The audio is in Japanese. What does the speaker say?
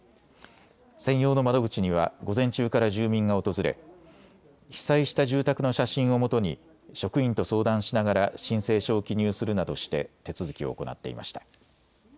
専用の窓口には午前中から住民が訪れ被災した住宅の写真をもとに職員と相談しながら申請書を記入するなどして手続きを行っていました。